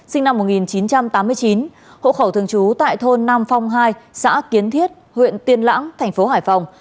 sinh năm một nghìn chín trăm tám mươi chín hộ khẩu thường trú tại thôn nam phong hai xã kiến thiết huyện tiên lãng thành phố hải phòng